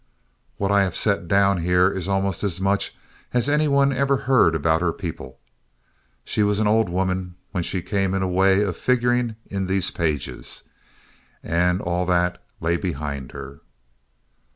What I have set down here is almost as much as any one ever heard about her people. She was an old woman when she came in a way of figuring in these pages, and all that lay behind her.